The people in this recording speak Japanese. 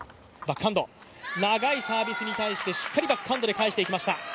長いサービスに対してしっかりバックハンドで返していきました。